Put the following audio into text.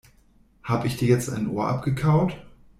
Hab' ich dir jetzt ein Ohr abgekaut?